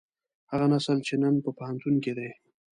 هغه نسل چې نن په پوهنتون کې دی.